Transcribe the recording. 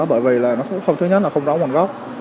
bởi vì thứ nhất là không rõ nguồn gốc